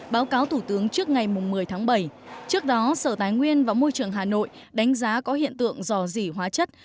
báo cáo thủ tướng trước ngày một mươi tháng bảy trước đó sở tài nguyên và môi trường hà nội đánh giá có hiện tượng dò dỉ hóa chất